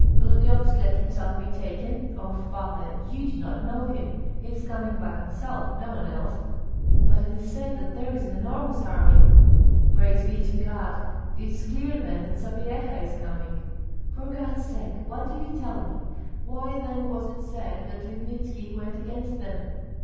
"Volodyovski let himself be taken! Oh, father, you do not know him. He is coming back himself, no one else!" "But it is said that there is an enormous army!" "Praise be to God! it is clear then that Sapyeha is coming." "For God's sake! what do you tell me? Why then was it said that Lipnitski went against them?"